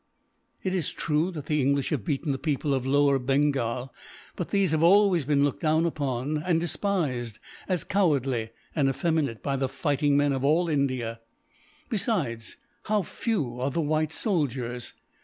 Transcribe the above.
It is true that the English have beaten the peoples of lower Bengal, but these have always been looked down upon, and despised as cowardly and effeminate, by the fighting men of all India. "Besides, how few are the white soldiers!